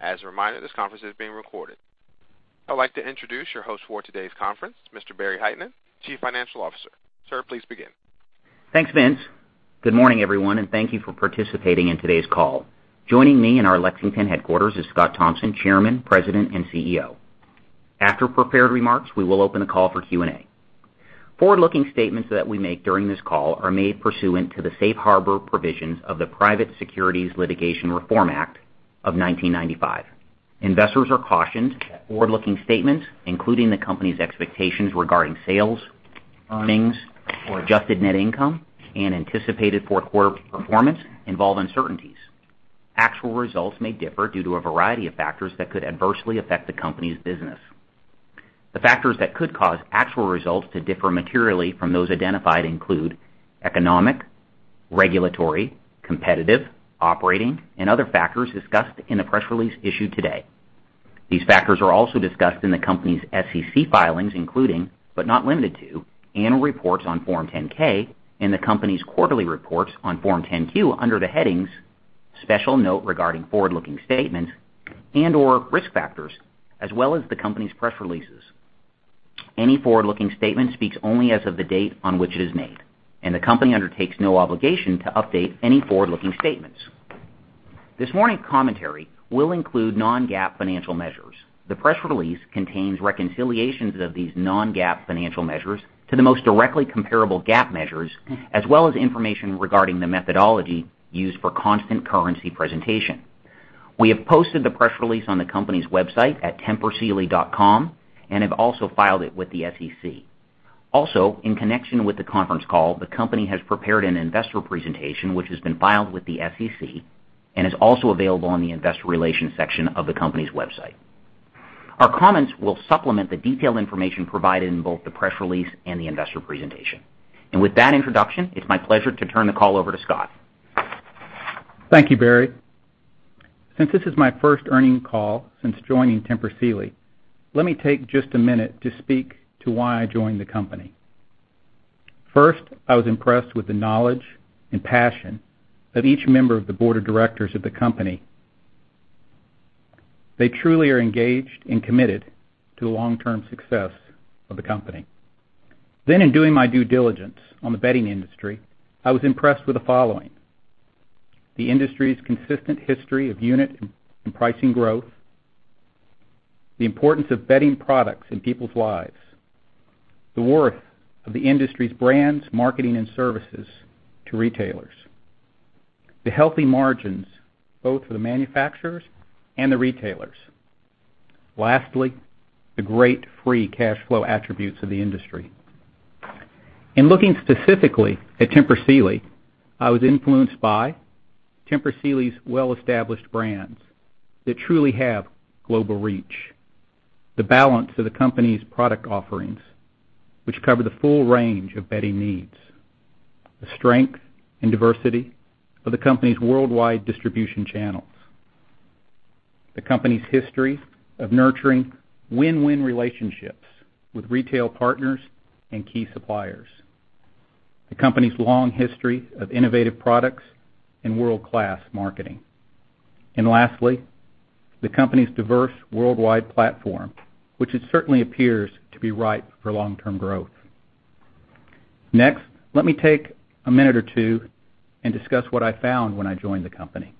As a reminder, this conference is being recorded. I'd like to introduce your host for today's conference, Mr. Barry Hytinen, Chief Financial Officer. Sir, please begin. Thanks, Vince. Good morning, everyone, and thank you for participating in today's call. Joining me in our Lexington headquarters is Scott Thompson, Chairman, President, and CEO. After prepared remarks, we will open the call for Q&A. Forward-looking statements that we make during this call are made pursuant to the safe harbor provisions of the Private Securities Litigation Reform Act of 1995. Investors are cautioned that forward-looking statements, including the company's expectations regarding sales, earnings or adjusted net income and anticipated fourth quarter performance involve uncertainties. Actual results may differ due to a variety of factors that could adversely affect the company's business. The factors that could cause actual results to differ materially from those identified include economic, regulatory, competitive, operating, and other factors discussed in the press release issued today. These factors are also discussed in the company's SEC filings, including, but not limited to, annual reports on Form 10-K and the company's quarterly reports on Form 10-Q under the headings "Special Note Regarding Forward-Looking Statements" and/or "Risk Factors," as well as the company's press releases. Any forward-looking statement speaks only as of the date on which it is made, and the company undertakes no obligation to update any forward-looking statements. This morning's commentary will include non-GAAP financial measures. The press release contains reconciliations of these non-GAAP financial measures to the most directly comparable GAAP measures, as well as information regarding the methodology used for constant currency presentation. We have posted the press release on the company's website at tempursealy.com and have also filed it with the SEC. Also, in connection with the conference call, the company has prepared an investor presentation, which has been filed with the SEC and is also available on the investor relations section of the company's website. Our comments will supplement the detailed information provided in both the press release and the investor presentation. With that introduction, it's my pleasure to turn the call over to Scott. Thank you, Barry Hytinen. Since this is my first earnings call since joining Tempur Sealy, let me take just a minute to speak to why I joined the company. First, I was impressed with the knowledge and passion of each member of the board of directors of the company. They truly are engaged and committed to the long-term success of the company. In doing my due diligence on the bedding industry, I was impressed with the following: the industry's consistent history of unit and pricing growth, the importance of bedding products in people's lives, the worth of the industry's brands, marketing, and services to retailers, the healthy margins both for the manufacturers and the retailers. Lastly, the great free cash flow attributes of the industry. In looking specifically at Tempur Sealy, I was influenced by Tempur Sealy's well-established brands that truly have global reach, the balance of the company's product offerings, which cover the full range of bedding needs, the strength and diversity of the company's worldwide distribution channels, the company's history of nurturing win-win relationships with retail partners and key suppliers, the company's long history of innovative products and world-class marketing. Lastly, the company's diverse worldwide platform, which it certainly appears to be ripe for long-term growth. Next, let me take a minute or two and discuss what I found when I joined the company.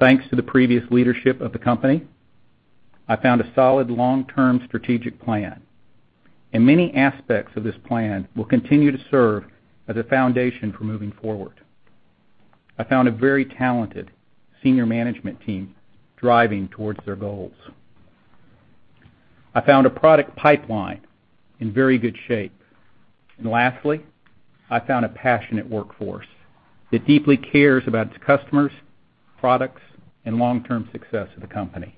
Thanks to the previous leadership of the company, I found a solid long-term strategic plan, and many aspects of this plan will continue to serve as a foundation for moving forward. I found a very talented senior management team driving towards their goals. I found a product pipeline in very good shape. Lastly, I found a passionate workforce that deeply cares about its customers, products, and long-term success of the company.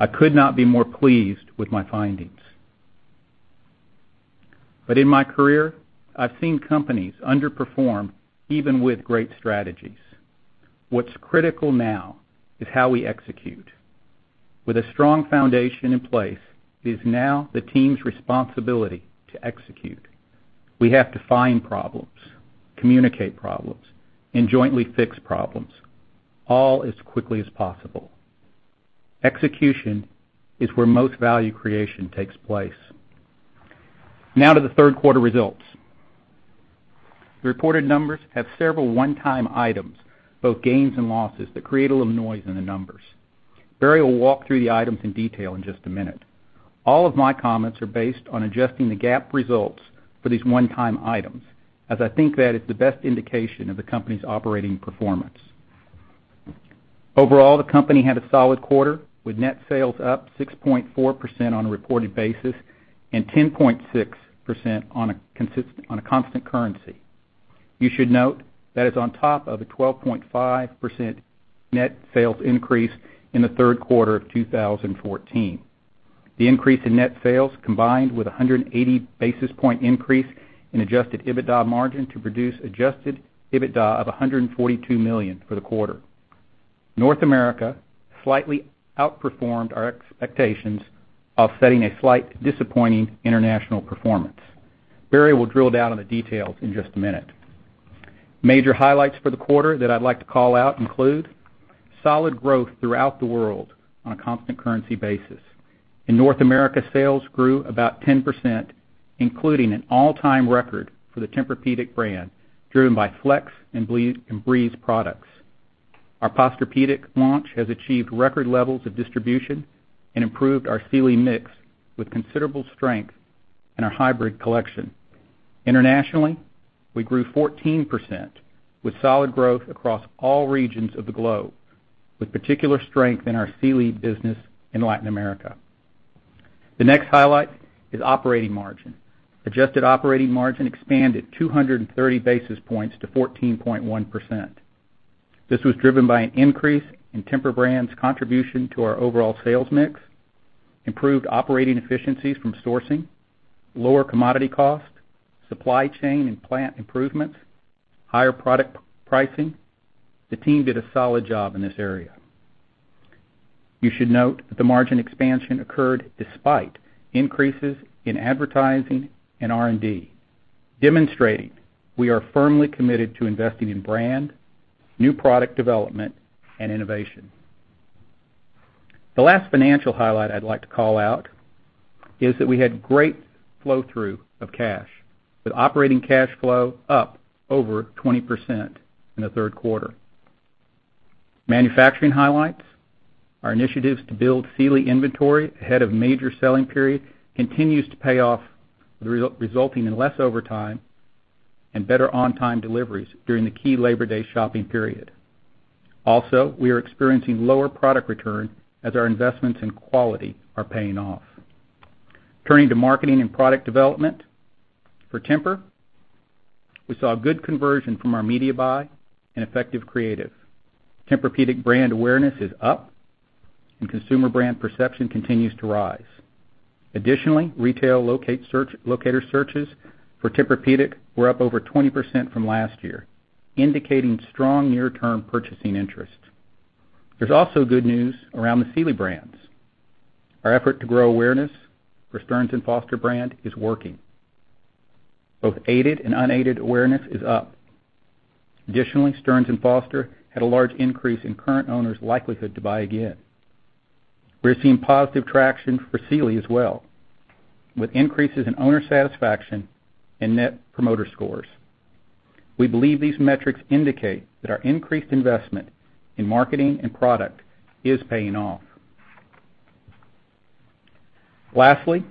I could not be more pleased with my findings. In my career, I've seen companies underperform, even with great strategies. What's critical now is how we execute. With a strong foundation in place, it is now the team's responsibility to execute. We have to find problems, communicate problems, and jointly fix problems, all as quickly as possible. Execution is where most value creation takes place. Now to the third quarter results. The reported numbers have several one-time items, both gains and losses, that create a little noise in the numbers. Barry Hytinen will walk through the items in detail in just a minute. All of my comments are based on adjusting the GAAP results for these one-time items, as I think that is the best indication of the company's operating performance. Overall, the company had a solid quarter, with net sales up 6.4% on a reported basis and 10.6% on a constant currency. You should note that it's on top of a 12.5% net sales increase in the third quarter of 2014. The increase in net sales combined with 180 basis point increase in adjusted EBITDA margin to produce adjusted EBITDA of $142 million for the quarter. North America slightly outperformed our expectations, offsetting a slight disappointing international performance. Barry Hytinen will drill down on the details in just a minute. Major highlights for the quarter that I'd like to call out include solid growth throughout the world on a constant currency basis. In North America, sales grew about 10%, including an all-time record for the Tempur-Pedic brand, driven by TEMPUR-Flex and TEMPUR-breeze products. Our Posturepedic launch has achieved record levels of distribution and improved our Sealy mix with considerable strength in our hybrid collection. Internationally, we grew 14% with solid growth across all regions of the globe, with particular strength in our Sealy business in Latin America. The next highlight is operating margin. Adjusted operating margin expanded 230 basis points to 14.1%. This was driven by an increase in Tempur-Pedic brand's contribution to our overall sales mix, improved operating efficiencies from sourcing, lower commodity costs, supply chain and plant improvements, higher product pricing. The team did a solid job in this area. You should note that the margin expansion occurred despite increases in advertising and R&D, demonstrating we are firmly committed to investing in brand, new product development, and innovation. The last financial highlight I'd like to call out is that we had great flow-through of cash, with operating cash flow up over 20% in the third quarter. Manufacturing highlights. Our initiatives to build Sealy inventory ahead of major selling period continues to pay off, resulting in less overtime and better on-time deliveries during the key Labor Day shopping period. Also, we are experiencing lower product return as our investments in quality are paying off. Turning to marketing and product development. For Tempur-Pedic, we saw good conversion from our media buy and effective creative. Tempur-Pedic brand awareness is up, and consumer brand perception continues to rise. Additionally, retail locator searches for Tempur-Pedic were up over 20% from last year, indicating strong near-term purchasing interest. There's also good news around the Sealy brands. Our effort to grow awareness for Stearns & Foster brand is working. Both aided and unaided awareness is up. Additionally, Stearns & Foster had a large increase in current owners' likelihood to buy again. We're seeing positive traction for Sealy as well, with increases in owner satisfaction and Net Promoter Score. We believe these metrics indicate that our increased investment in marketing and product is paying off. Lastly,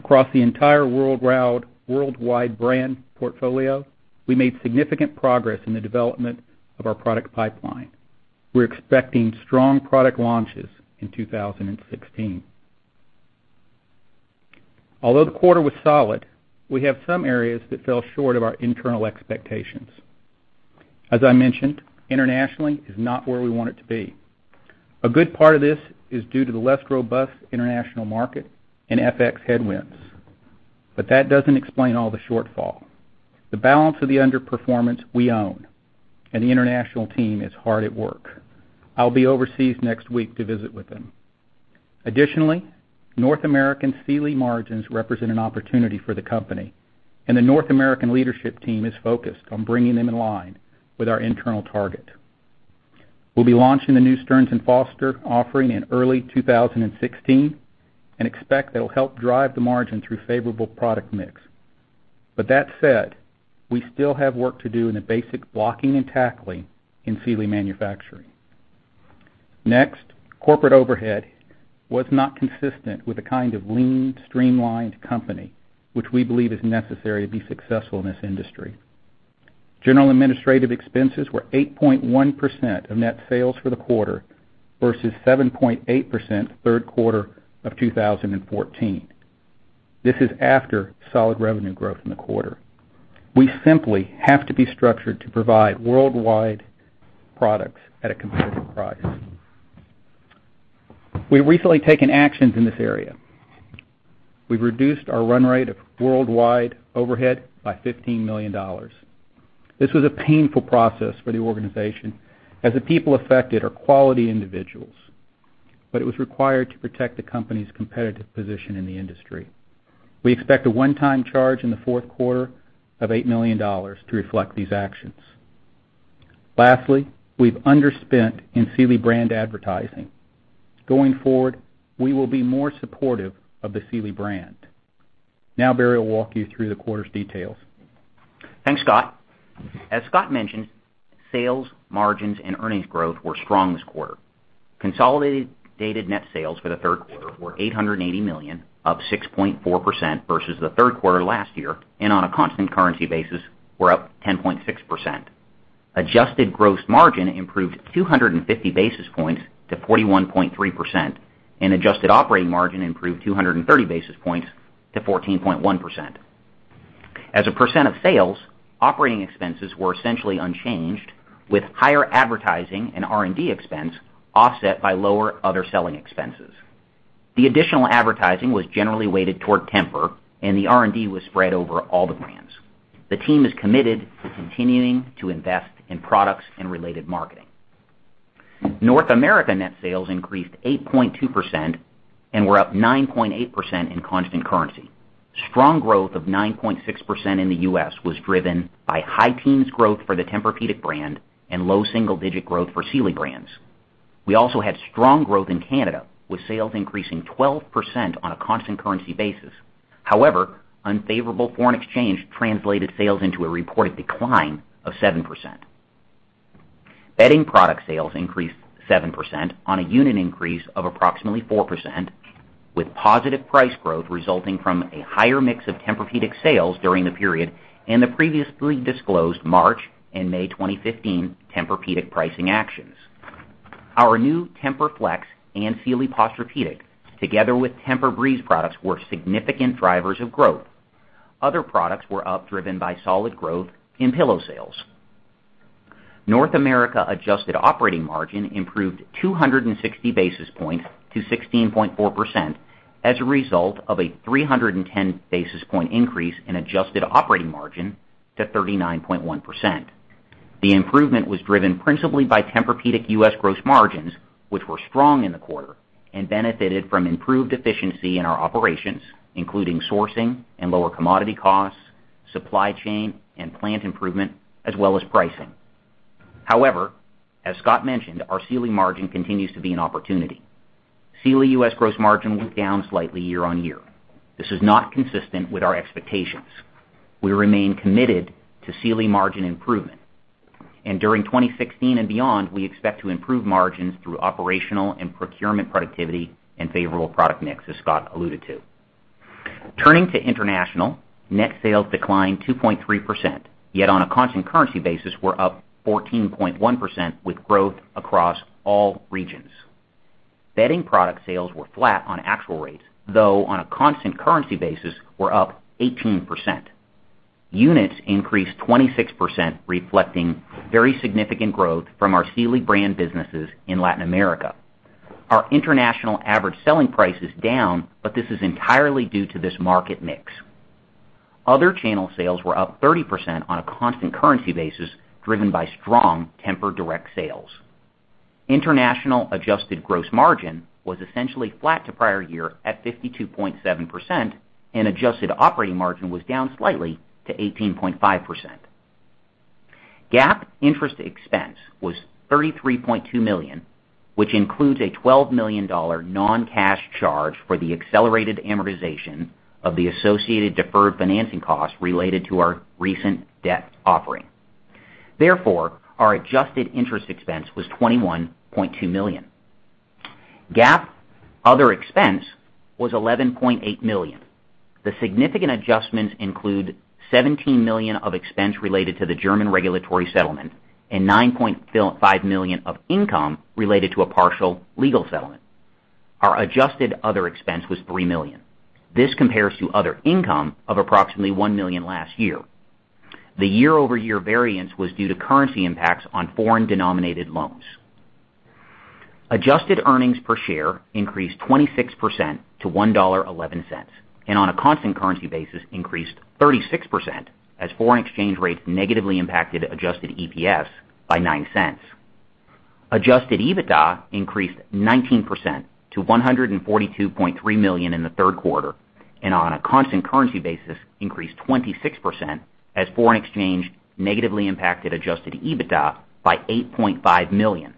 across the entire worldwide brand portfolio, we made significant progress in the development of our product pipeline. We're expecting strong product launches in 2016. Although the quarter was solid, we have some areas that fell short of our internal expectations. As I mentioned, internationally is not where we want it to be. A good part of this is due to the less robust international market and FX headwinds, but that doesn't explain all the shortfall. The balance of the underperformance we own and the international team is hard at work. I'll be overseas next week to visit with them. Additionally, North American Sealy margins represent an opportunity for the company, and the North American leadership team is focused on bringing them in line with our internal target. We'll be launching the new Stearns & Foster offering in early 2016 and expect that'll help drive the margin through favorable product mix. That said, we still have work to do in the basic blocking and tackling in Sealy manufacturing. Next, corporate overhead was not consistent with the kind of lean, streamlined company which we believe is necessary to be successful in this industry. General administrative expenses were 8.1% of net sales for the quarter versus 7.8% third quarter of 2014. This is after solid revenue growth in the quarter. We simply have to be structured to provide worldwide products at a competitive price. We've recently taken actions in this area. We've reduced our run rate of worldwide overhead by $15 million. This was a painful process for the organization, as the people affected are quality individuals, but it was required to protect the company's competitive position in the industry. We expect a one-time charge in the fourth quarter of $8 million to reflect these actions. Lastly, we've underspent in Sealy brand advertising. Going forward, we will be more supportive of the Sealy brand. Now Barry will walk you through the quarter's details. Thanks, Scott. As Scott mentioned, sales, margins and earnings growth were strong this quarter. Consolidated net sales for the third quarter were $880 million, up 6.4% versus the third quarter last year, and on a constant currency basis were up 10.6%. Adjusted gross margin improved 250 basis points to 41.3%, and adjusted operating margin improved 230 basis points to 14.1%. As a percent of sales, operating expenses were essentially unchanged, with higher advertising and R&D expense offset by lower other selling expenses. The additional advertising was generally weighted toward Tempur-Pedic, and the R&D was spread over all the brands. The team is committed to continuing to invest in products and related marketing. North America net sales increased 8.2% and were up 9.8% in constant currency. Strong growth of 9.6% in the U.S. was driven by high teens growth for the Tempur-Pedic brand and low single-digit growth for Sealy brands. We also had strong growth in Canada, with sales increasing 12% on a constant currency basis. However, unfavorable foreign exchange translated sales into a reported decline of 7%. Bedding product sales increased 7% on a unit increase of approximately 4%, with positive price growth resulting from a higher mix of Tempur-Pedic sales during the period and the previously disclosed March and May 2015 Tempur-Pedic pricing actions. Our new TEMPUR-Flex and Sealy Posturepedic, together with TEMPUR-breeze products, were significant drivers of growth. Other products were up, driven by solid growth in pillow sales. North America adjusted operating margin improved 260 basis points to 16.4% as a result of a 310 basis point increase in adjusted operating margin to 39.1%. The improvement was driven principally by Tempur-Pedic U.S. gross margins, which were strong in the quarter and benefited from improved efficiency in our operations, including sourcing and lower commodity costs, supply chain and plant improvement, as well as pricing. However, as Scott mentioned, our Sealy margin continues to be an opportunity. Sealy U.S. gross margin was down slightly year-over-year. This is not consistent with our expectations. We remain committed to Sealy margin improvement. During 2016 and beyond, we expect to improve margins through operational and procurement productivity and favorable product mix, as Scott alluded to. Turning to international, net sales declined 2.3%, yet on a constant currency basis, were up 14.1% with growth across all regions. Bedding product sales were flat on actual rates, though on a constant currency basis were up 18%. Units increased 26%, reflecting very significant growth from our Sealy brand businesses in Latin America. Our international average selling price is down, but this is entirely due to this market mix. Other channel sales were up 30% on a constant currency basis, driven by strong Tempur-Pedic direct sales. International adjusted gross margin was essentially flat to prior year at 52.7%, and adjusted operating margin was down slightly to 18.5%. GAAP interest expense was $33.2 million, which includes a $12 million non-cash charge for the accelerated amortization of the associated deferred financing costs related to our recent debt offering. Therefore, our adjusted interest expense was $21.2 million. GAAP other expense was $11.8 million. The significant adjustments include $17 million of expense related to the German regulatory settlement and $9.5 million of income related to a partial legal settlement. Our adjusted other expense was $3 million. This compares to other income of approximately $1 million last year. The year-over-year variance was due to currency impacts on foreign-denominated loans. Adjusted earnings per share increased 26% to $1.11 and on a constant currency basis increased 36% as foreign exchange rates negatively impacted adjusted EPS by $0.09. Adjusted EBITDA increased 19% to $142.3 million in the third quarter, and on a constant currency basis increased 26% as foreign exchange negatively impacted adjusted EBITDA by $8.5 million.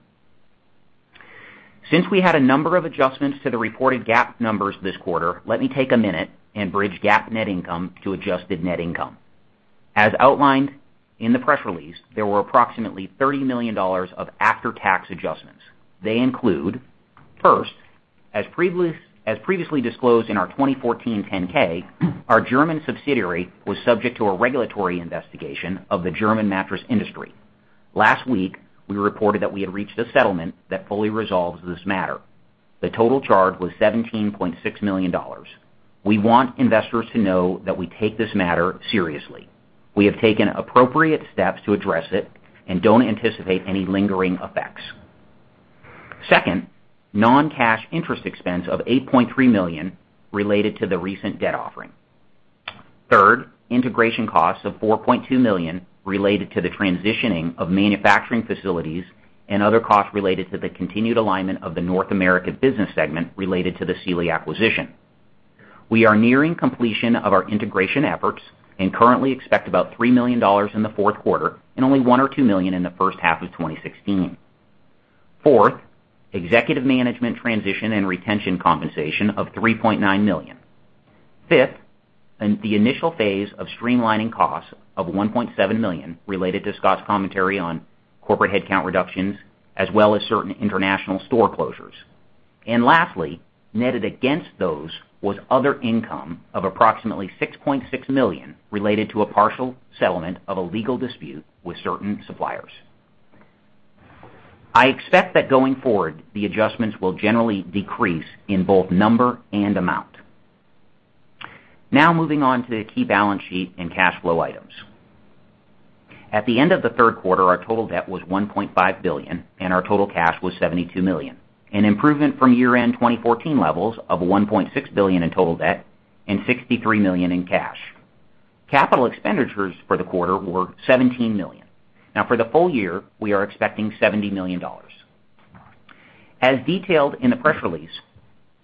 Since we had a number of adjustments to the reported GAAP numbers this quarter, let me take a minute and bridge GAAP net income to adjusted net income. As outlined in the press release, there were approximately $30 million of after-tax adjustments. They include, first, as previously disclosed in our 2014 Form 10-K, our German subsidiary was subject to a regulatory investigation of the German mattress industry. Last week, we reported that we had reached a settlement that fully resolves this matter. The total charge was $17.6 million. We want investors to know that we take this matter seriously. We have taken appropriate steps to address it and don't anticipate any lingering effects. Second, non-cash interest expense of $8.3 million related to the recent debt offering. Third, integration costs of $4.2 million related to the transitioning of manufacturing facilities and other costs related to the continued alignment of the North America business segment related to the Sealy acquisition. We are nearing completion of our integration efforts and currently expect about $3 million in the fourth quarter and only $1 or $2 million in the first half of 2016. Fourth, executive management transition and retention compensation of $3.9 million. Fifth, the initial phase of streamlining costs of $1.7 million related to Scott's commentary on corporate headcount reductions, as well as certain international store closures. Lastly, netted against those was other income of approximately $6.6 million related to a partial settlement of a legal dispute with certain suppliers. I expect that going forward, the adjustments will generally decrease in both number and amount. Moving on to the key balance sheet and cash flow items. At the end of the third quarter, our total debt was $1.5 billion, and our total cash was $72 million, an improvement from year-end 2014 levels of $1.6 billion in total debt and $63 million in cash. Capital expenditures for the quarter were $17 million. For the full year, we are expecting $70 million. As detailed in the press release,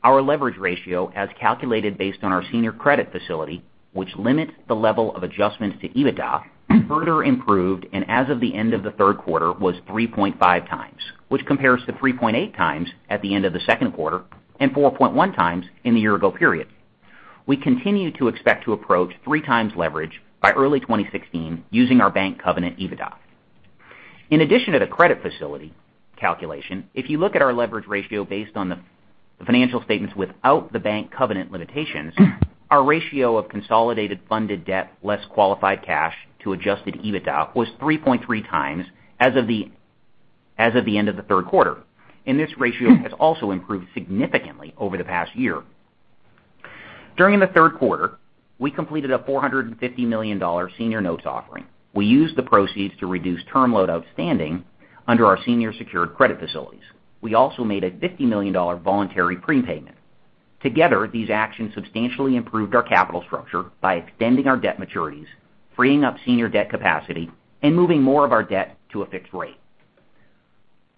our leverage ratio as calculated based on our senior credit facility, which limits the level of adjustments to EBITDA, further improved, and as of the end of the third quarter, was 3.5 times. Which compares to 3.8 times at the end of the second quarter, and 4.1 times in the year-ago period. We continue to expect to approach three times leverage by early 2016 using our bank covenant EBITDA. In addition to the credit facility calculation, if you look at our leverage ratio based on the financial statements without the bank covenant limitations, our ratio of consolidated funded debt less qualified cash to adjusted EBITDA was 3.3 times as of the end of the third quarter. This ratio has also improved significantly over the past year. During the third quarter, we completed a $450 million senior notes offering. We used the proceeds to reduce term loan outstanding under our senior secured credit facilities. We also made a $50 million voluntary prepayment. Together, these actions substantially improved our capital structure by extending our debt maturities, freeing up senior debt capacity, and moving more of our debt to a fixed rate.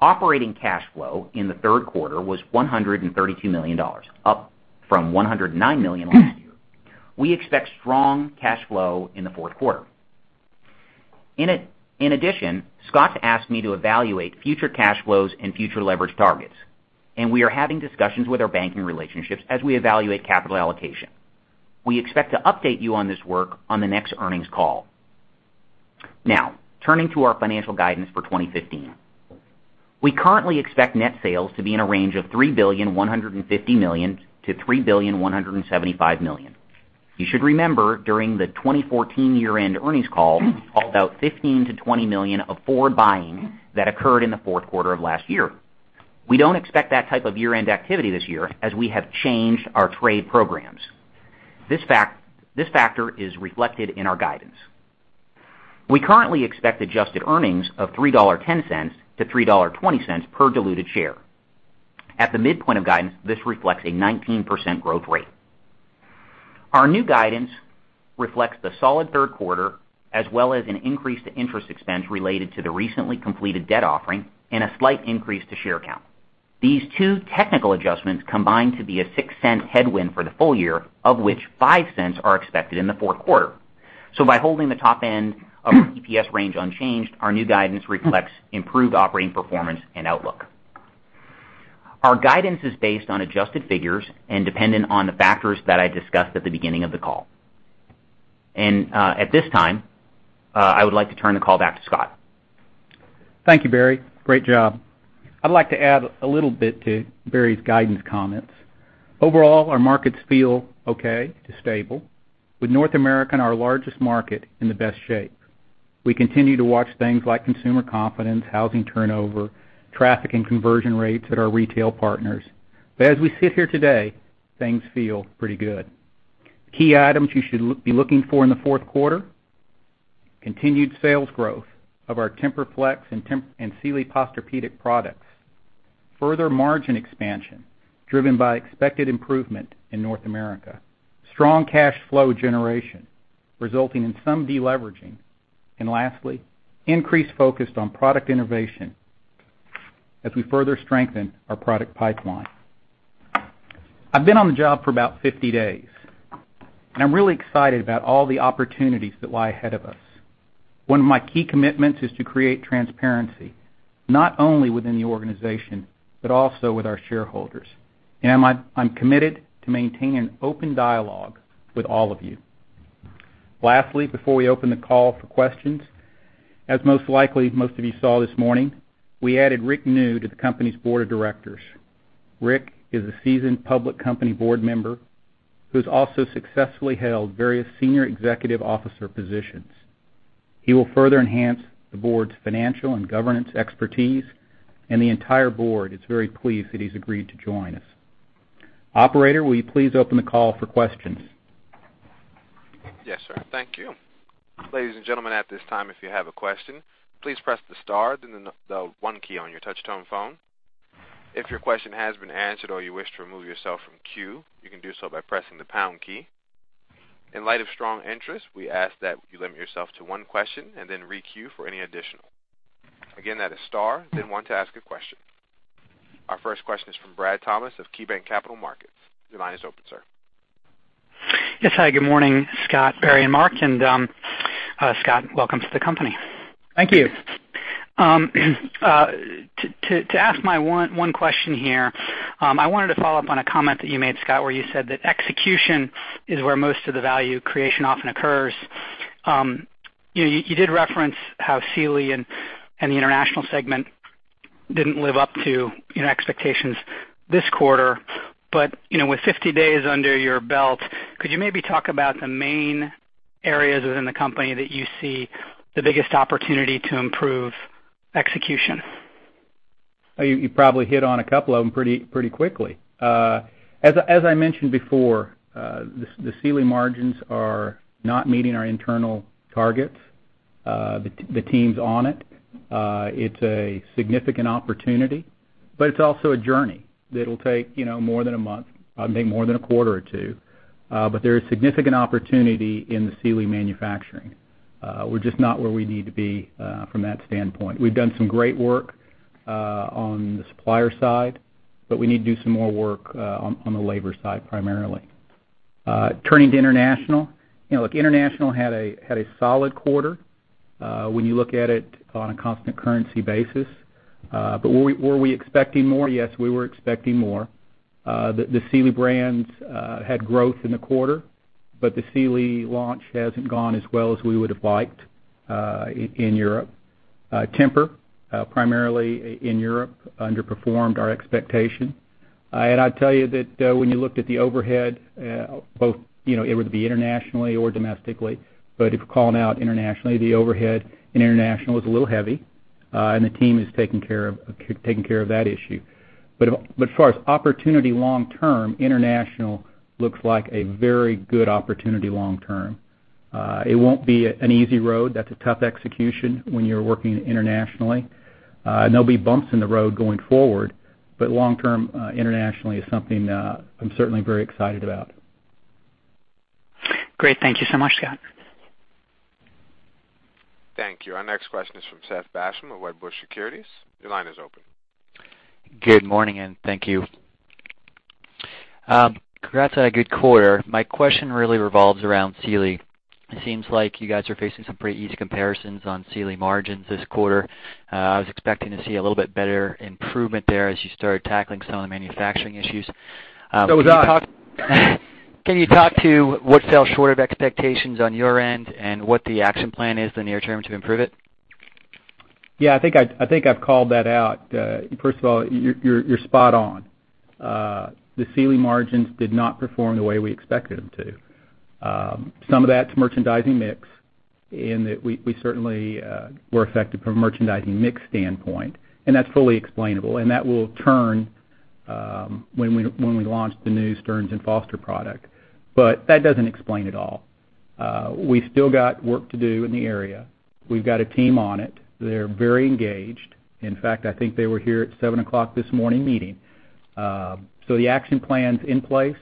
Operating cash flow in the third quarter was $132 million, up from $109 million last year. We expect strong cash flow in the fourth quarter. In addition, Scott's asked me to evaluate future cash flows and future leverage targets, and we are having discussions with our banking relationships as we evaluate capital allocation. We expect to update you on this work on the next earnings call. Now, turning to our financial guidance for 2015. We currently expect net sales to be in a range of $3,150 million-$3,175 million. You should remember during the 2014 year-end earnings call, we called out $15 million-$20 million of forward buying that occurred in the fourth quarter of last year. We don't expect that type of year-end activity this year as we have changed our trade programs. This factor is reflected in our guidance. We currently expect adjusted earnings of $3.10-$3.20 per diluted share. At the midpoint of guidance, this reflects a 19% growth rate. Our new guidance reflects the solid third quarter, as well as an increase to interest expense related to the recently completed debt offering and a slight increase to share count. These two technical adjustments combine to be a $0.06 headwind for the full year, of which $0.05 are expected in the fourth quarter. By holding the top end of our EPS range unchanged, our new guidance reflects improved operating performance and outlook. Our guidance is based on adjusted figures and dependent on the factors that I discussed at the beginning of the call. At this time, I would like to turn the call back to Scott. Thank you, Barry. Great job. I'd like to add a little bit to Barry's guidance comments. Overall, our markets feel okay to stable. With North America and our largest market in the best shape. We continue to watch things like consumer confidence, housing turnover, traffic and conversion rates at our retail partners. As we sit here today, things feel pretty good. Key items you should be looking for in the fourth quarter: continued sales growth of our TEMPUR-Flex and Sealy Posturepedic products. Further margin expansion driven by expected improvement in North America. Strong cash flow generation resulting in some deleveraging. Lastly, increased focus on product innovation as we further strengthen our product pipeline. I've been on the job for about 50 days, and I'm really excited about all the opportunities that lie ahead of us. One of my key commitments is to create transparency, not only within the organization but also with our shareholders. I'm committed to maintain an open dialogue with all of you. Lastly, before we open the call for questions, as most likely most of you saw this morning, we added Rick New to the company's board of directors. Rick is a seasoned public company board member who's also successfully held various senior executive officer positions. He will further enhance the board's financial and governance expertise, and the entire board is very pleased that he's agreed to join us. Operator, will you please open the call for questions? Yes, sir. Thank you. Ladies and gentlemen, at this time, if you have a question, please press the star then the one key on your touch-tone phone. If your question has been answered or you wish to remove yourself from queue, you can do so by pressing the pound key. In light of strong interest, we ask that you limit yourself to one question and then re-queue for any additional. Again, that is star then one to ask a question. Our first question is from Bradley Thomas of KeyBanc Capital Markets. Your line is open, sir. Yes. Hi, good morning, Scott, Barry, and Mark, and Scott, welcome to the company. Thank you. To ask my one question here, I wanted to follow up on a comment that you made, Scott, where you said that execution is where most of the value creation often occurs. You did reference how Sealy and the International segment didn't live up to your expectations this quarter. With 50 days under your belt, could you maybe talk about the main areas within the company that you see the biggest opportunity to improve execution? You probably hit on a couple of them pretty quickly. As I mentioned before, the Sealy margins are not meeting our internal targets. The team's on it. It's a significant opportunity. It's also a journey that'll take more than a month, maybe more than a quarter or two. There is significant opportunity in the Sealy manufacturing. We're just not where we need to be from that standpoint. We've done some great work on the supplier side, we need to do some more work on the labor side, primarily. Turning to international. International had a solid quarter when you look at it on a constant currency basis. Were we expecting more? Yes, we were expecting more. The Sealy brands had growth in the quarter, the Sealy launch hasn't gone as well as we would have liked in Europe. Tempur-Pedic, primarily in Europe, underperformed our expectation. I'd tell you that when you looked at the overhead both, it would be internationally or domestically, if we're calling out internationally, the overhead in international was a little heavy. The team has taken care of that issue. As far as opportunity long term, international looks like a very good opportunity long term. It won't be an easy road. That's a tough execution when you're working internationally. There'll be bumps in the road going forward. Long term, internationally is something I'm certainly very excited about. Great. Thank you so much, Scott. Thank you. Our next question is from Seth Basham of Wedbush Securities. Your line is open. Good morning, and thank you. Congrats on a good quarter. My question really revolves around Sealy. It seems like you guys are facing some pretty easy comparisons on Sealy margins this quarter. I was expecting to see a little bit better improvement there as you started tackling some of the manufacturing issues. So was I. Can you talk to what fell short of expectations on your end and what the action plan is the near term to improve it? Yeah, I think I've called that out. First of all, you're spot on. The Sealy margins did not perform the way we expected them to. Some of that's merchandising mix in that we certainly were affected from a merchandising mix standpoint, and that's fully explainable, and that will turn when we launch the new Stearns & Foster product. That doesn't explain it all. We still got work to do in the area. We've got a team on it. They're very engaged. In fact, I think they were here at 7:00 A.M. this morning, meeting. The action plan's in place,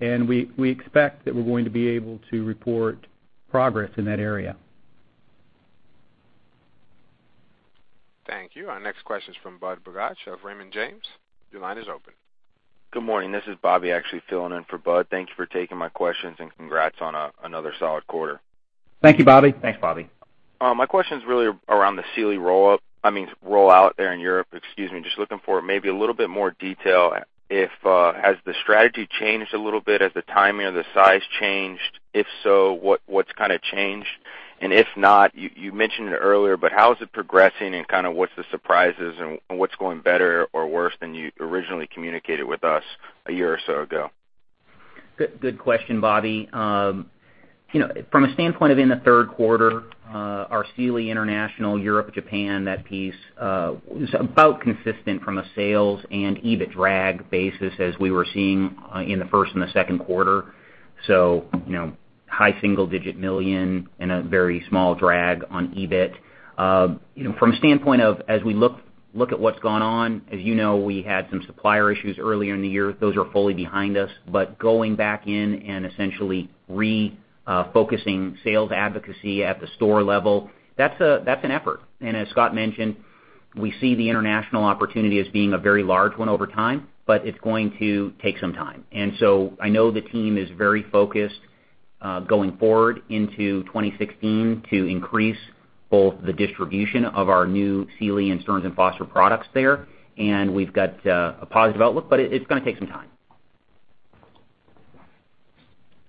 and we expect that we're going to be able to report progress in that area. Thank you. Our next question is from Budd Bugatch of Raymond James. Your line is open. Good morning. This is Bobby actually filling in for Budd. Thank you for taking my questions and congrats on another solid quarter. Thank you, Bobby. Thanks, Bobby. My question's really around the Sealy rollout there in Europe. Just looking for maybe a little bit more detail. Has the strategy changed a little bit? Has the timing or the size changed? If so, what's changed? If not, you mentioned it earlier, but how is it progressing and what's the surprises and what's going better or worse than you originally communicated with us a year or so ago? Good question, Bobby. From a standpoint of in the third quarter, our Sealy International, Europe, Japan, that piece, was about consistent from a sales and EBIT drag basis as we were seeing in the first and the second quarter. High single digit million and a very small drag on EBIT. From a standpoint of as we look at what's gone on, as you know, we had some supplier issues earlier in the year. Those are fully behind us. Going back in and essentially refocusing sales advocacy at the store level, that's an effort. As Scott mentioned, we see the international opportunity as being a very large one over time, but it's going to take some time. I know the team is very focused, going forward into 2016, to increase both the distribution of our new Sealy and Stearns & Foster products there, and we've got a positive outlook, but it's going to take some time.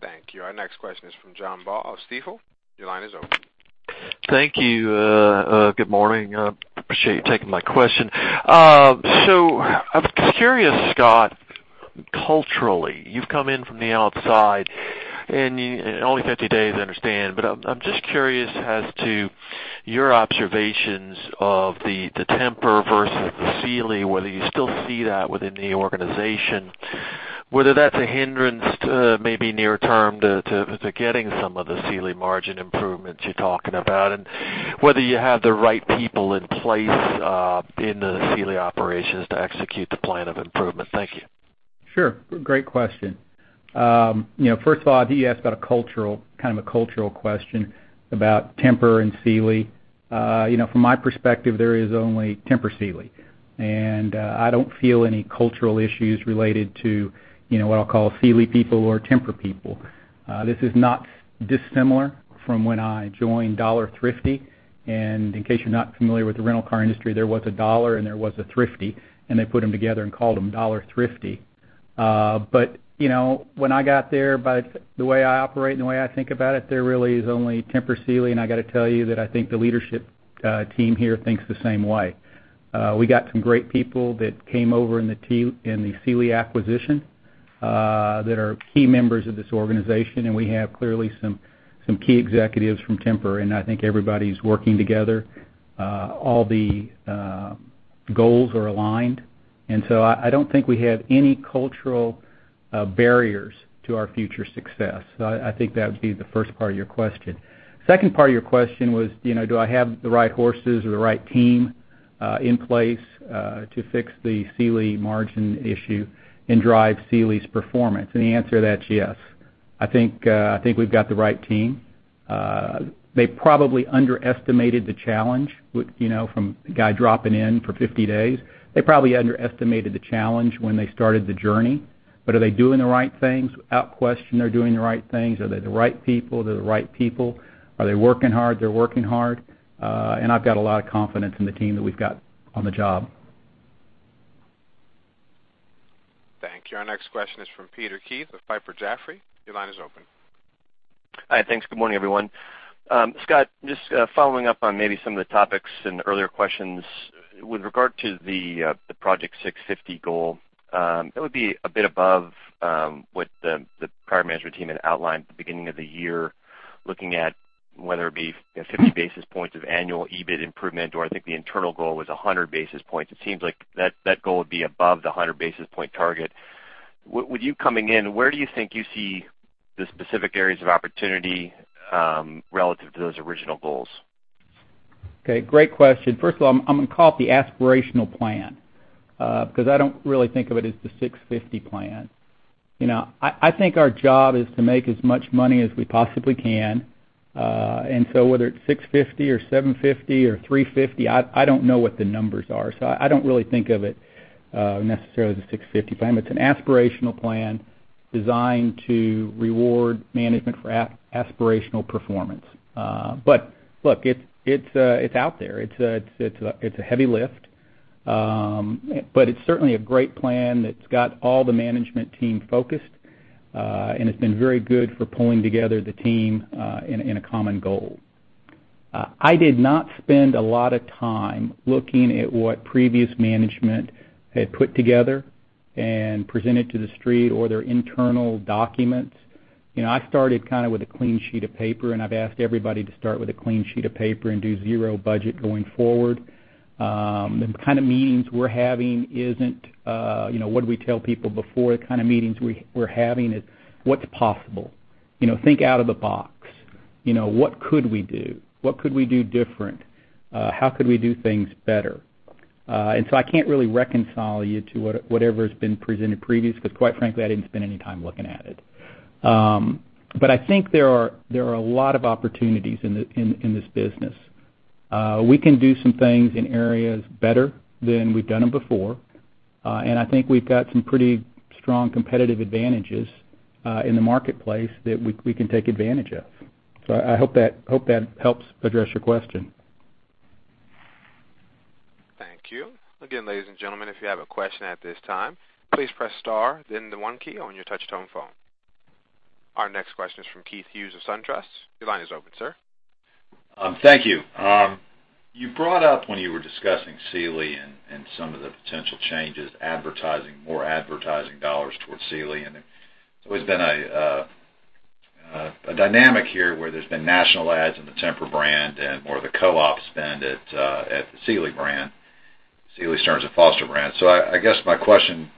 Thank you. Our next question is from John Baugh of Stifel. Your line is open. Thank you. Good morning. Appreciate you taking my question. I was just curious, Scott, culturally, you've come in from the outside and only 30 days, I understand, but I'm just curious as to your observations of the Tempur-Pedic versus the Sealy, whether you still see that within the organization, whether that's a hindrance to maybe near term to getting some of the Sealy margin improvements you're talking about and whether you have the right people in place in the Sealy operations to execute the plan of improvement. Thank you. Sure. Great question. First of all, I think you asked about a cultural question about Tempur and Sealy. From my perspective, there is only Tempur Sealy, and I don't feel any cultural issues related to what I'll call Sealy people or Tempur people. This is not dissimilar from when I joined Dollar Thrifty, and in case you're not familiar with the rental car industry, there was a Dollar and there was a Thrifty, and they put them together and called them Dollar Thrifty. When I got there, by the way I operate and the way I think about it, there really is only Tempur Sealy, and I got to tell you that I think the leadership team here thinks the same way. We got some great people that came over in the Sealy acquisition that are key members of this organization. I think everybody's working together. All the goals are aligned. I don't think we have any cultural barriers to our future success. I think that would be the first part of your question. Second part of your question was, do I have the right horses or the right team in place to fix the Sealy margin issue and drive Sealy's performance? The answer to that is yes. I think we've got the right team. They probably underestimated the challenge from a guy dropping in for 50 days. They probably underestimated the challenge when they started the journey. Are they doing the right things? Without question, they're doing the right things. Are they the right people? They're the right people. Are they working hard? They're working hard. I've got a lot of confidence in the team that we've got on the job. Thank you. Our next question is from Peter Keith of Piper Jaffray. Your line is open. Hi, thanks. Good morning, everyone. Scott, just following up on maybe some of the topics in the earlier questions. With regard to the Project 650 goal, it would be a bit above what the prior management team had outlined at the beginning of the year, looking at whether it be 50 basis points of annual EBIT improvement or I think the internal goal was 100 basis points. It seems like that goal would be above the 100 basis point target. With you coming in, where do you think you see the specific areas of opportunity relative to those original goals? Okay, great question. First of all, I'm going to call it the aspirational plan because I don't really think of it as the 650 Plan. I think our job is to make as much money as we possibly can. Whether it's 650 or 750 or 350, I don't know what the numbers are. I don't really think of it necessarily as a 650 Plan. It's an aspirational plan designed to reward management for aspirational performance. Look, it's out there. It's a heavy lift. It's certainly a great plan that's got all the management team focused, and it's been very good for pulling together the team in a common goal. I did not spend a lot of time looking at what previous management had put together and presented to the street or their internal documents. I started with a clean sheet of paper, and I've asked everybody to start with a clean sheet of paper and do zero budget going forward. The kind of meetings we're having isn't what did we tell people before. The kind of meetings we're having is what's possible. Think out of the box. What could we do? What could we do different? How could we do things better? I can't really reconcile you to whatever has been presented previous, because quite frankly, I didn't spend any time looking at it. I think there are a lot of opportunities in this business. We can do some things in areas better than we've done them before. I think we've got some pretty strong competitive advantages in the marketplace that we can take advantage of. I hope that helps address your question. Thank you. Again, ladies and gentlemen, if you have a question at this time, please press star then the 1 key on your touch-tone phone. Our next question is from Keith Hughes of SunTrust. Your line is open, sir. Thank you. You brought up when you were discussing Sealy and some of the potential changes, advertising more advertising dollars towards Sealy. It's always been a dynamic here where there's been national ads in the Tempur-Pedic brand and more of the co-op spend at the Sealy brand, Sealy Stearns & Foster brand. I guess my question,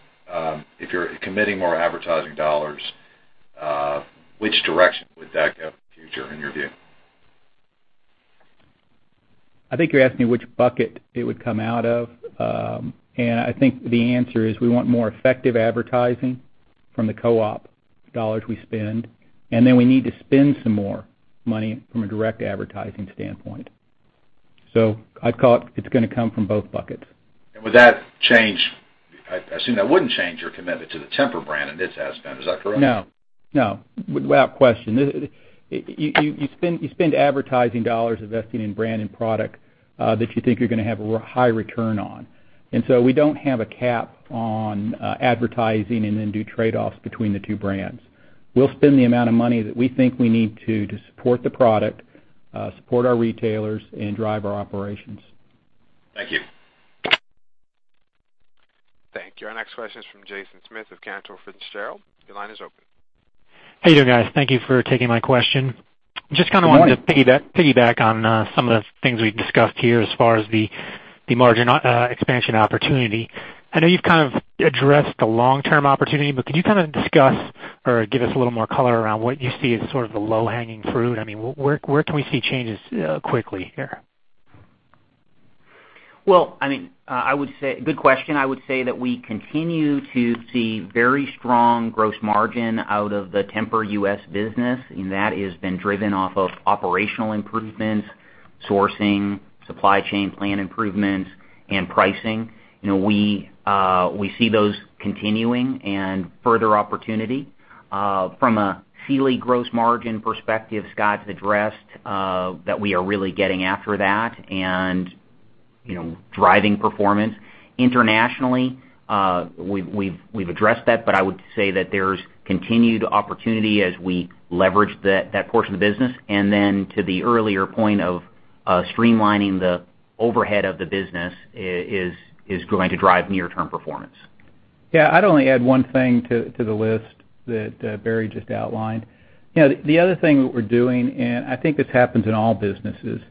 if you're committing more advertising dollars, which direction would that go in the future in your view? I think you're asking me which bucket it would come out of. I think the answer is we want more effective advertising from the co-op dollars we spend, then we need to spend some more money from a direct advertising standpoint. I'd call it's going to come from both buckets. Would that change I assume that wouldn't change your commitment to the Tempur-Pedic brand and its ad spend. Is that correct? No. Without question. You spend advertising dollars investing in brand and product that you think you're going to have a high return on. We don't have a cap on advertising and then do trade-offs between the two brands. We'll spend the amount of money that we think we need to support the product, support our retailers, and drive our operations. Thank you. Thank you. Our next question is from Jason Smith of Cantor Fitzgerald. Your line is open. How you doing, guys? Thank you for taking my question. Just kind of wanted to piggyback on some of the things we've discussed here as far as the margin expansion opportunity. I know you've kind of addressed the long-term opportunity, could you kind of discuss or give us a little more color around what you see as sort of the low-hanging fruit? Where can we see changes quickly here? Well, good question. I would say that we continue to see very strong gross margin out of the Tempur-Pedic U.S. business, that has been driven off of operational improvements, sourcing, supply chain plan improvements, and pricing. We see those continuing and further opportunity. From a Sealy gross margin perspective, Scott's addressed that we are really getting after that and driving performance. Internationally, we've addressed that, I would say that there's continued opportunity as we leverage that portion of the business. To the earlier point of streamlining the overhead of the business is going to drive near-term performance. Yeah. I'd only add one thing to the list that Barry just outlined. The other thing that we're doing, I think this happens in all businesses.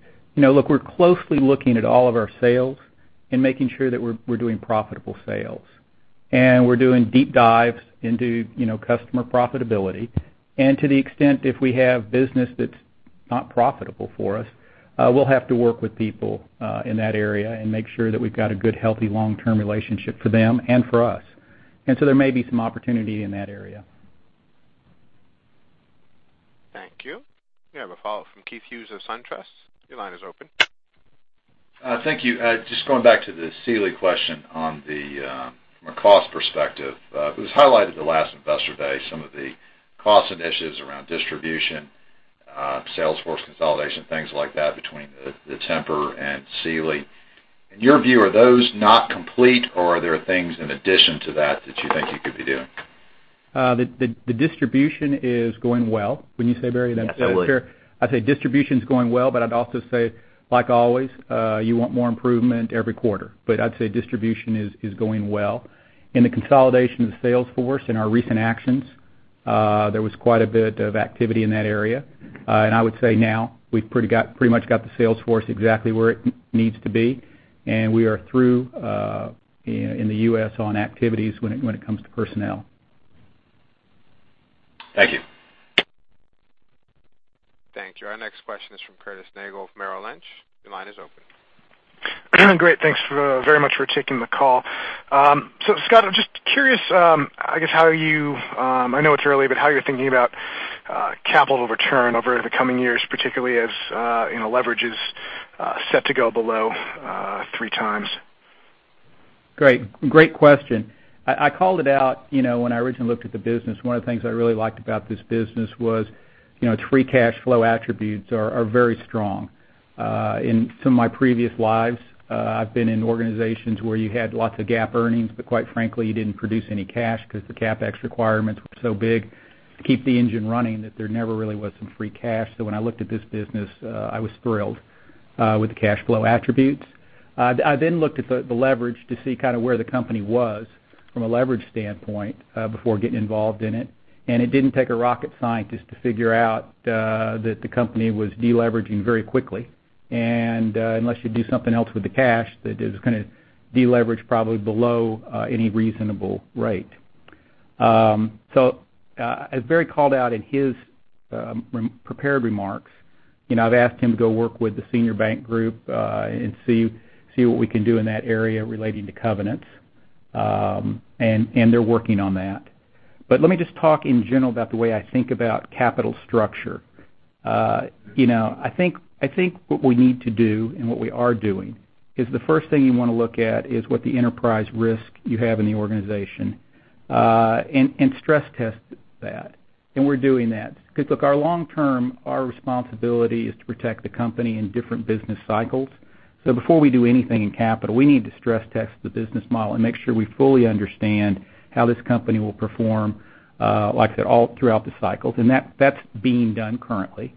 Look, we're closely looking at all of our sales and making sure that we're doing profitable sales. We're doing deep dives into customer profitability. To the extent if we have business that's not profitable for us. We'll have to work with people in that area and make sure that we've got a good, healthy, long-term relationship for them and for us. There may be some opportunity in that area. Thank you. We have a follow-up from Keith Hughes of SunTrust. Your line is open. Thank you. Just going back to the Sealy question on the, from a cost perspective. It was highlighted at the last investor day, some of the cost initiatives around distribution, sales force consolidation, things like that between the Tempur-Pedic and Sealy. In your view, are those not complete, or are there things in addition to that that you think you could be doing? The distribution is going well. Wouldn't you say, Barry? Absolutely. I'd say distribution's going well, but I'd also say, like always, you want more improvement every quarter. I'd say distribution is going well. In the consolidation of the sales force in our recent actions, there was quite a bit of activity in that area. I would say now we've pretty much got the sales force exactly where it needs to be, and we are through in the U.S. on activities when it comes to personnel. Thank you. Thank you. Our next question is from Curtis Nagle of Merrill Lynch. Your line is open. Great. Thanks very much for taking the call. Scott, I'm just curious, I guess, how are you I know it's early, but how you're thinking about capital return over the coming years, particularly as leverage is set to go below 3 times. Great question. I called it out when I originally looked at the business. One of the things I really liked about this business was its free cash flow attributes are very strong. In some of my previous lives, I've been in organizations where you had lots of GAAP earnings, but quite frankly, you didn't produce any cash because the CapEx requirements were so big to keep the engine running that there never really was some free cash. When I looked at this business, I was thrilled with the cash flow attributes. I then looked at the leverage to see kind of where the company was from a leverage standpoint before getting involved in it. It didn't take a rocket scientist to figure out that the company was de-leveraging very quickly. Unless you do something else with the cash, that it was going to deleverage probably below any reasonable rate. As Barry Hytinen called out in his prepared remarks, I've asked him to go work with the senior bank group and see what we can do in that area relating to covenants. They're working on that. Let me just talk in general about the way I think about capital structure. I think what we need to do and what we are doing is the first thing you want to look at is what the enterprise risk you have in the organization, and stress test that. We're doing that. Because look, our long term, our responsibility is to protect the company in different business cycles. Before we do anything in capital, we need to stress test the business model and make sure we fully understand how this company will perform, like I said, all throughout the cycles. That's being done currently.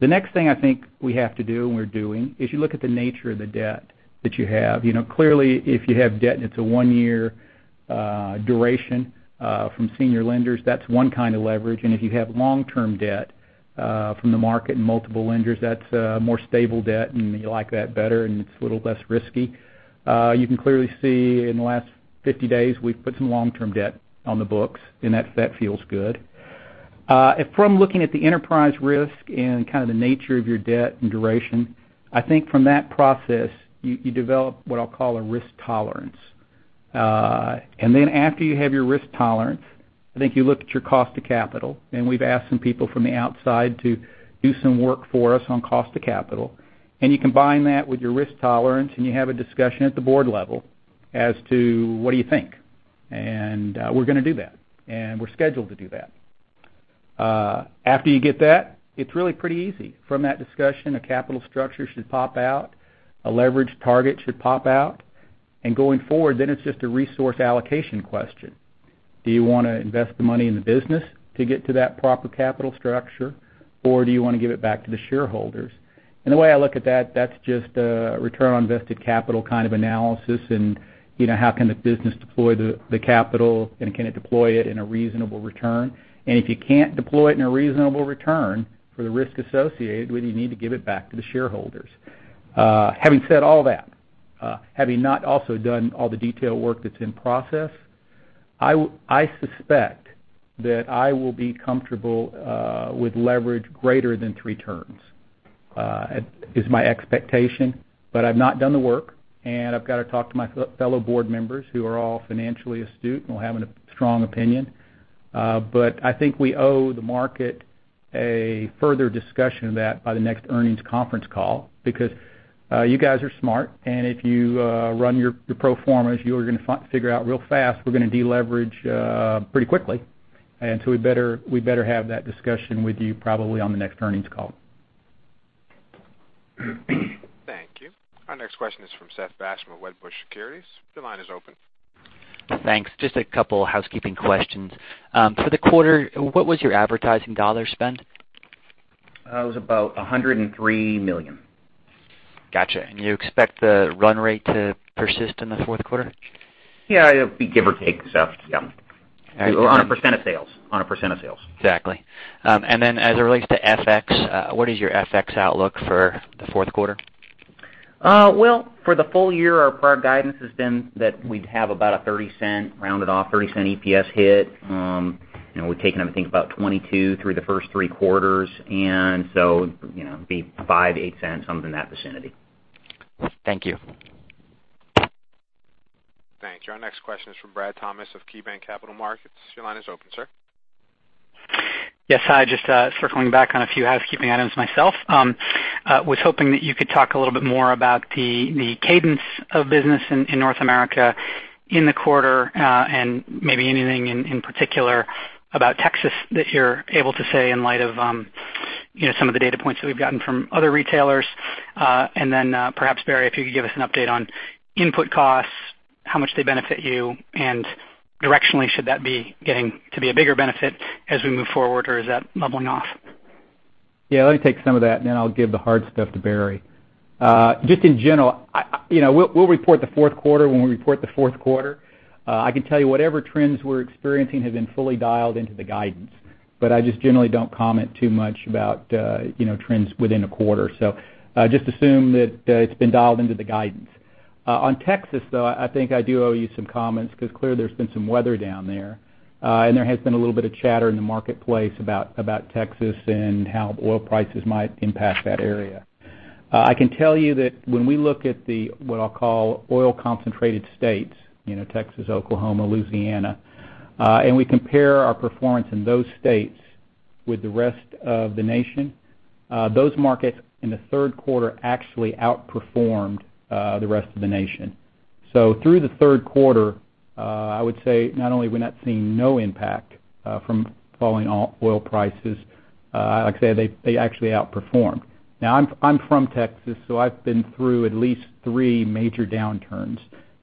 The next thing I think we have to do, and we're doing, is you look at the nature of the debt that you have. Clearly, if you have debt and it's a one-year duration from senior lenders, that's one kind of leverage. If you have long-term debt from the market and multiple lenders, that's a more stable debt, and you like that better, and it's a little less risky. You can clearly see in the last 50 days, we've put some long-term debt on the books, and that feels good. From looking at the enterprise risk and kind of the nature of your debt and duration, I think from that process, you develop what I'll call a risk tolerance. After you have your risk tolerance, I think you look at your cost of capital, and we've asked some people from the outside to do some work for us on cost of capital. You combine that with your risk tolerance, and you have a discussion at the board level as to what do you think. We're going to do that. We're scheduled to do that. After you get that, it's really pretty easy. From that discussion, a capital structure should pop out, a leverage target should pop out, going forward, it's just a resource allocation question. Do you want to invest the money in the business to get to that proper capital structure, or do you want to give it back to the shareholders? The way I look at that's just a return on invested capital kind of analysis and how can the business deploy the capital, and can it deploy it in a reasonable return? If you can't deploy it in a reasonable return for the risk associated, well you need to give it back to the shareholders. Having said all that, having not also done all the detailed work that's in process, I suspect that I will be comfortable with leverage greater than three terms. It's my expectation, I've not done the work, and I've got to talk to my fellow board members who are all financially astute and will have a strong opinion. I think we owe the market a further discussion of that by the next earnings conference call, because you guys are smart, and if you run your pro formas, you're going to figure out real fast we're going to deleverage pretty quickly. We better have that discussion with you probably on the next earnings call. Thank you. Our next question is from Seth Basham, Wedbush Securities. Your line is open. Thanks. Just a couple housekeeping questions. For the quarter, what was your advertising dollar spend? It was about $103 million. Got you. You expect the run rate to persist in the fourth quarter? Yeah, it'll be give or take, Seth. Yeah. On a % of sales. Exactly. As it relates to FX, what is your FX outlook for the fourth quarter? Well, for the full year, our prior guidance has been that we'd have about a rounded off $0.30 EPS hit. We've taken, I think, about 22 through the first three quarters, and so it'd be $0.05-$0.08, something in that vicinity. Thank you. Thanks. Our next question is from Bradley Thomas of KeyBanc Capital Markets. Your line is open, sir. Hi, just circling back on a few housekeeping items myself. Was hoping that you could talk a little bit more about the cadence of business in North America in the quarter, and maybe anything in particular about Texas that you're able to say in light of some of the data points that we've gotten from other retailers. Perhaps, Barry, if you could give us an update on input costs, how much they benefit you, and directionally, should that be getting to be a bigger benefit as we move forward, or is that leveling off? Let me take some of that, and then I'll give the hard stuff to Barry. Just in general, we'll report the fourth quarter when we report the fourth quarter. I can tell you whatever trends we're experiencing have been fully dialed into the guidance. I just generally don't comment too much about trends within a quarter. Just assume that it's been dialed into the guidance. On Texas, though, I think I do owe you some comments because clearly there's been some weather down there. There has been a little bit of chatter in the marketplace about Texas and how oil prices might impact that area. I can tell you that when we look at the, what I'll call oil-concentrated states, Texas, Oklahoma, Louisiana, and we compare our performance in those states with the rest of the nation, those markets in the third quarter actually outperformed the rest of the nation. Through the third quarter, I would say not only are we not seeing no impact from falling oil prices, like I said, they actually outperformed. I'm from Texas, so I've been through at least three major downturns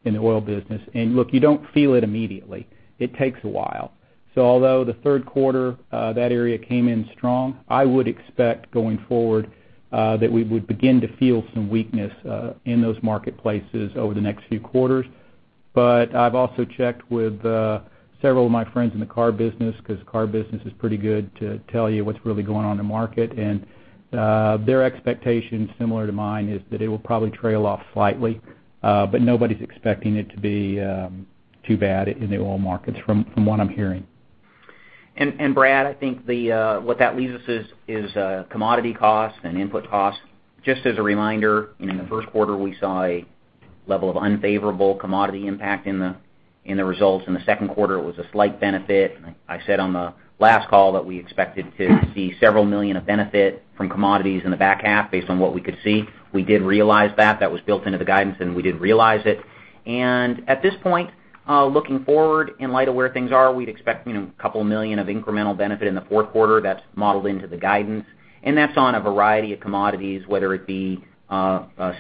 in the oil business. Look, you don't feel it immediately. It takes a while. Although the third quarter, that area came in strong, I would expect going forward that we would begin to feel some weakness in those marketplaces over the next few quarters. I've also checked with several of my friends in the car business because the car business is pretty good to tell you what's really going on in the market. Their expectation, similar to mine, is that it will probably trail off slightly. Nobody's expecting it to be too bad in the oil markets from what I'm hearing. Brad, I think what that leaves us is commodity costs and input costs. Just as a reminder, in the first quarter, we saw a level of unfavorable commodity impact in the results. In the second quarter, it was a slight benefit. I said on the last call that we expected to see several million of benefit from commodities in the back half based on what we could see. We did realize that. That was built into the guidance, and we did realize it. At this point, looking forward in light of where things are, we'd expect a couple of million of incremental benefit in the fourth quarter that's modeled into the guidance, and that's on a variety of commodities, whether it be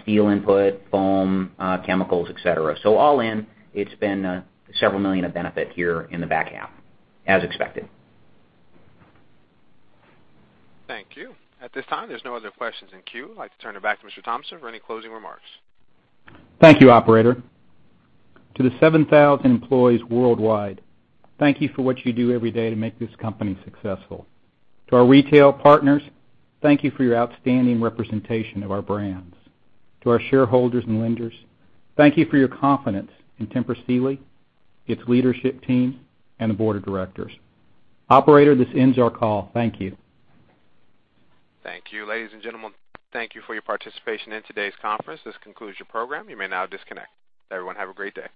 steel input, foam, chemicals, et cetera. All in, it's been several million of benefit here in the back half, as expected. Thank you. At this time, there's no other questions in queue. I'd like to turn it back to Mr. Thompson for any closing remarks. Thank you, operator. To the 7,000 employees worldwide, thank you for what you do every day to make this company successful. To our retail partners, thank you for your outstanding representation of our brands. To our shareholders and lenders, thank you for your confidence in Tempur-Pedic Sealy, its leadership team, and the board of directors. Operator, this ends our call. Thank you. Thank you. Ladies and gentlemen, thank you for your participation in today's conference. This concludes your program. You may now disconnect. Everyone, have a great day.